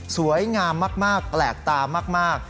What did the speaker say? สวยงามมากแปลกตามาก